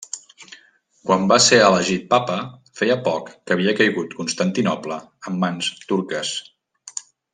Quan va ser elegit papa feia poc que havia caigut Constantinoble en mans turques.